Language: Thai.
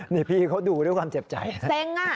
นี่พี่เขาดูด้วยความเจ็บใจนะเซ็งอ่ะ